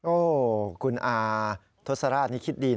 โอ้คุณอาทศราชนี่คิดดี